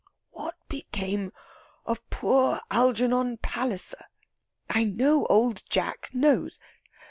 "What became of poor Algernon Palliser.... I know Old Jack knows....